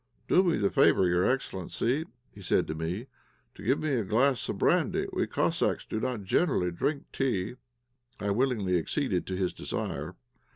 "Do me the favour, your excellency," said he to me, "to give me a glass of brandy; we Cossacks do not generally drink tea." I willingly acceded to his desire.